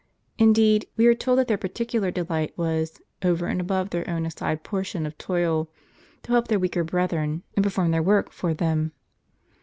Indeed, we are told that their particular delight was, over and above their own assigned portion of toil, to help their weaker brethren, and perform their work for them.